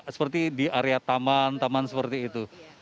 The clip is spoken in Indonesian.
seperti di area taman taman seperti itu